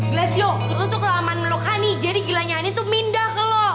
glacio lo tuh kelamaan meluk hani jadi gilanya hani tuh mindah ke elo